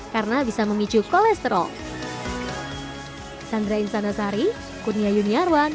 karena bisa memicu kolesterol